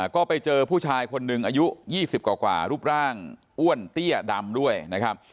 ก็ไปเจอผู้ชายคนหนึ่งอายุ๒๐กว่ารูปร่างอ้วนเตี้ยดำด้วยนะครับ